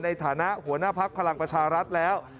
ในฐานะหัวหน้าภักดิ์พลังประชารัฐแล้ว